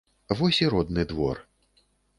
Вось і родны двор!